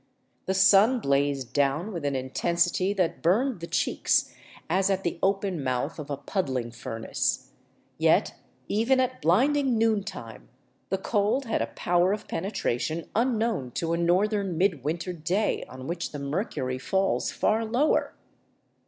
The sun blazed down with an intensity that burned the cheeks as at the open mouth of a puddling furnace ; yet even at blinding noon time the cold had a power of penetration unknown to a northern mid winter day on which the mercury falls far lower.